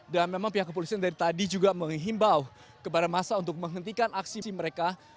dan memang pihak kepolisian dari tadi juga menghimbau kepada massa untuk menghentikan aksi mereka